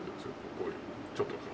こういうちょっと。